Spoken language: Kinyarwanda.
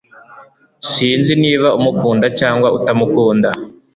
Sinzi niba umukunda cyangwa utamukunda